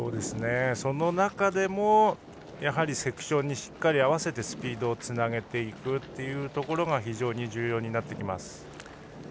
その中でも、セクションにしっかり合わせてスピードをつなげていくのが非常に重要になってきます。